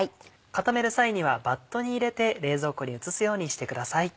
固める際にはバットに入れて冷蔵庫に移すようにしてください。